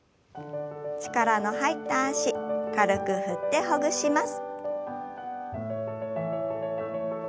力の入った脚軽く振ってほぐします。